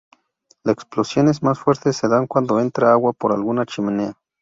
Las explosiones más fuertes se dan cuando entra agua por alguna chimenea.